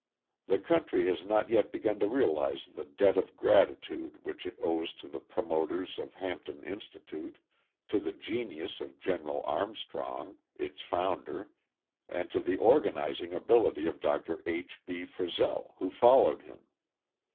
The country has not yet begun to realise the debt of gratitude which it owes to the promoters of Hampton Institute to the genius of General Armstrong, its founder and to the organising ability of Dr. H. B. Frissell who followed him.